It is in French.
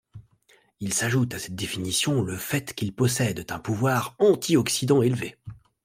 Il s'ajoute à cette définition le fait qu’ils possèdent un pouvoir antioxydant élevé.